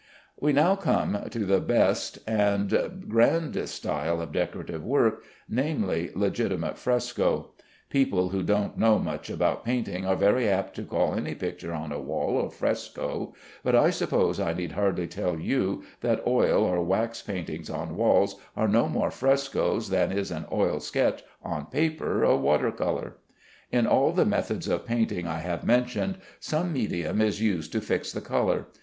We now come to the best and grandest style of decorative work; namely, legitimate fresco. People who don't know much about painting are very apt to call any picture on a wall a fresco, but I suppose I need hardly tell you that oil or wax paintings on walls are no more frescoes than is an oil sketch on paper a water color. In all the methods of painting I have mentioned, some medium is used to fix the color.